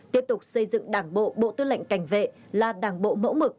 tiếp tục xây dựng đảng bộ bộ tư lệnh cảnh vệ là đảng bộ mẫu mực